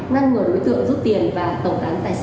ngăn ngừa đối tượng giúp tiền và tổng tán tài sản